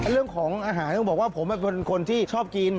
เรื่องของอาหารต้องบอกว่าผมเป็นคนที่ชอบกิน